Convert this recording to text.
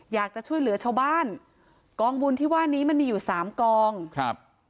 อยากจะช่วยเหลือชาวบ้านกองบุญที่ว่านี้มันมีอยู่สามกองครับ